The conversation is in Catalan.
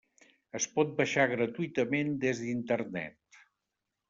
Es pot baixar gratuïtament des d'Internet.